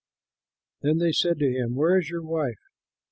Then they said to him, "Where is your wife?"